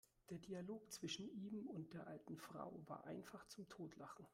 Der Dialog zwischen ihm und der alten Frau war einfach zum Totlachen!